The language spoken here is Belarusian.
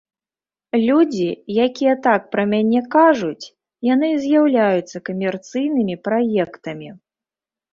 Людзі, якія так пра мяне кажуць, яны і з'яўляюцца камерцыйнымі праектамі.